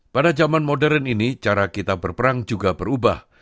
pada zaman modern ini cara kita berperang juga berubah